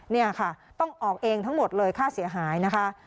นี่ค่ะต้องออกเองทั้งหมดเลยค่าเสียหายนะคะ